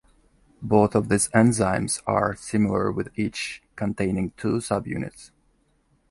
Both of these enzymes are similar with each containing two subunits.